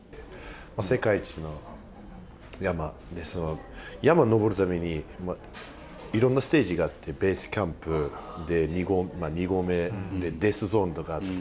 世界一の山山に登るためにいろんなステージがあってベースキャンプ２合目でデスゾーンとかがあって。